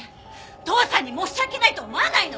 父さんに申し訳ないと思わないの！？